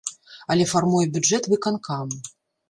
Але фармуе бюджэт выканкам.